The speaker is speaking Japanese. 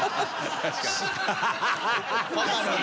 確かにね。